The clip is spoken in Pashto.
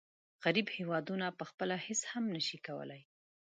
غریب هېوادونه پخپله هیڅ هم نشي کولای.